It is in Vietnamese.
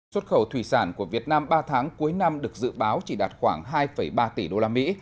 xuất khẩu thủy sản của việt nam ba tháng cuối năm được dự báo chỉ đạt khoảng hai ba tỷ đô la mỹ